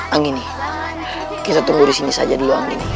anggini kita tunggu disini saja dulu anggini